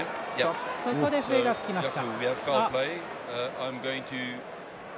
ここで笛が吹きました。